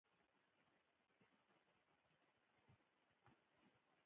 په خاوره کې د سرې له بیلابیلو ډولونو او نباتي پاتې شونو کار اخیستل.